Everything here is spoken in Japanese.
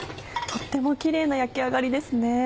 とってもキレイな焼き上がりですね。